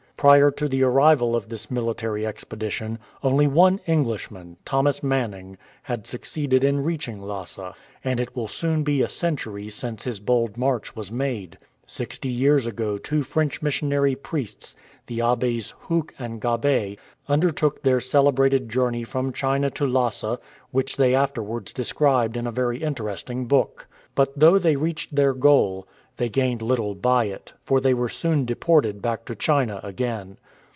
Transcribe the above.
Prior to the arrival of this military expedition, only one Englishman, Thomas Mann ing, had succeeded in reaching Lhasa, and it will soon be a century since his bold march was made. Sixty years ago two French missionary priests, the Abbes Hue and Gabet, undertook their celebrated journey from China to Lhasa, which they afterwards described in a very interest ing book. But though they reached their goal, they 76 MYSTERIOUS LHASA gained little by it, for they were soon deported back to China again.